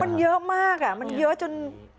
มันเยอะมากอ่ะมันเยอะจน